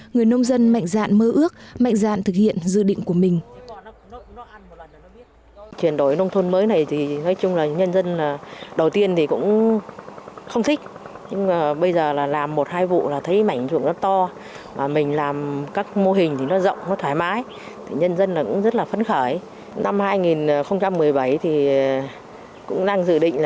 người nông dân mạnh dạn mơ ước mạnh dạn thực hiện dự định của mình